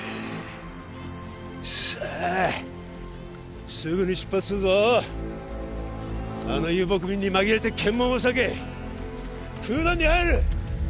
さあすぐに出発するぞあの遊牧民に紛れて検問を避けクーダンに入る！